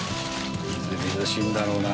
みずみずしいんだろうな。